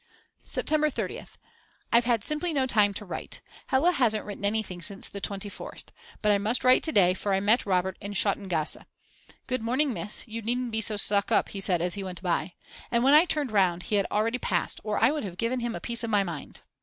September 30th. I've had simply no time to write. Hella hasn't written anything since the 24th. But I must write to day for I met Robert in Schottengasse. Good morning, Miss, you needn't be so stuck up, he said as he went by. And when I turned round he had already passed, or I would have given him a piece of my mind.